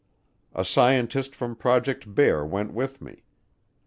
A scientist from Project Bear went with me.